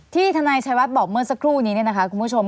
ทนายชัยวัดบอกเมื่อสักครู่นี้เนี่ยนะคะคุณผู้ชม